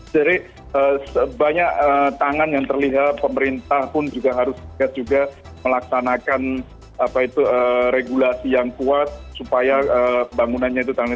jadi sebanyak tangan yang terlihat pemerintah pun juga harus melaksanakan regulasi yang kuat supaya bangunannya itu tahan gempa